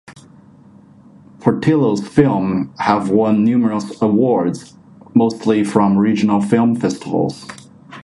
Portillo's films have won numerous awards, mostly from regional film festivals.